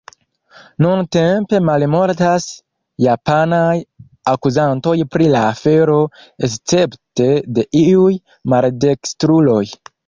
Nuntempe malmultas japanaj akuzantoj pri la afero escepte de iuj maldekstruloj.